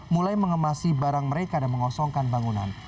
mulai mengemasi barang mereka dan mengosongkan bangunan